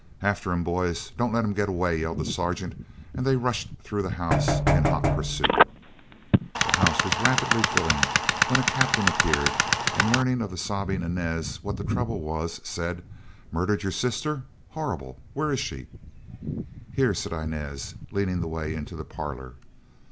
"After him, boys; don't let him get away!" yelled the sergeant, and they rushed through the house in hot pursuit. The house was rapidly filling, when a captain appeared, and learning of the sobbing Inez what the trouble was, said: "Murdered your sister! Horrible! where is she?" "Here," said Inez, leading the way into the parlor.